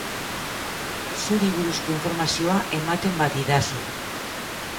Zuri buruzko informazioa ematen badidazu.